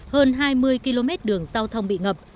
hơn hai mươi km đường giao thông bị ngập